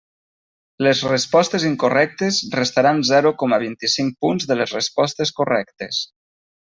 Les respostes incorrectes restaran zero coma vint-i-cinc punts de les respostes correctes.